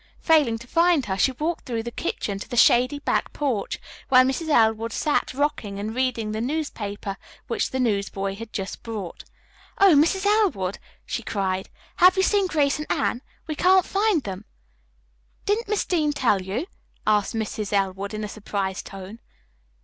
Failing to find her, she walked through the kitchen to the shady back porch, where Mrs. Elwood sat rocking and reading the newspaper which the newsboy had just brought. "Oh, Mrs. Elwood," she cried, "have you seen Grace and Anne? We can't find them." "Didn't Miss Dean tell you?" asked Mrs. Elwood in a surprised tone.